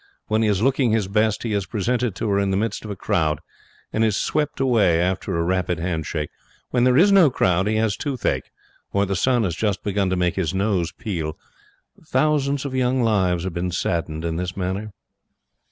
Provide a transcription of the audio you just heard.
When he is looking his best he is presented to her in the midst of a crowd, and is swept away after a rapid hand shake. When there is no crowd he has toothache, or the sun has just begun to make his nose peel. Thousands of young lives have been saddened in this manner.